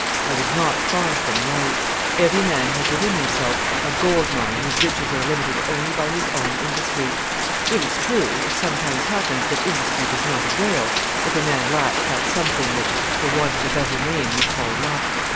I was not far from right. Every man has within himself a gold mine whose riches are limited only by his own industry. It is true, it sometimes happens that industry does not avail, if a man lacks that something which, for want of a better name, we call Luck.